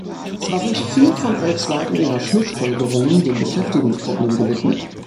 Zwar sind vier von elf Seiten Ihrer Schlussfolgerungen dem Beschäftigungsproblem gewidmet.